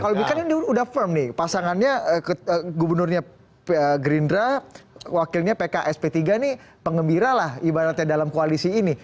kalau bukan ini udah firm nih pasangannya gubernurnya gerindra wakilnya pks p tiga ini pengembira lah ibaratnya dalam koalisi ini